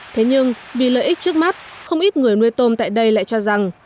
thế nhưng vì lợi ích trước mắt không ít người nuôi tôm tại đây lại cho rằng